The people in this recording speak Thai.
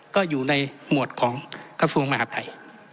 ก็อยู่ในหมวดของกระทรวงมหาดไทย